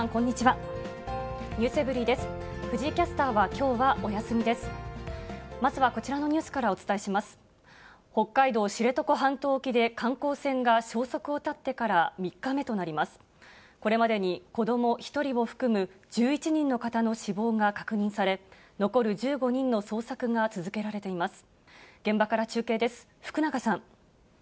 これまでに子ども１人を含む、１１人の方の死亡が確認され、残る１５人の捜索が続けられています。